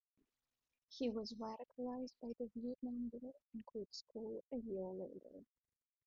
He was radicalized by the Vietnam War and quit school a year later.